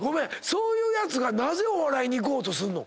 そういうやつがなぜお笑いに行こうとすんの？